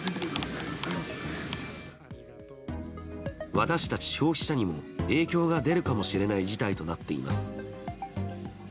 私たち消費者にも影響が出るかもしれない事態となっています。